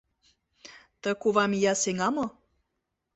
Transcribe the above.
Ты кувам ия сеҥа мо?